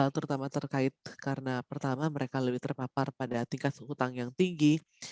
terutama terkait karena pertama mereka lebih terpapar pada tingkat utang yang tinggi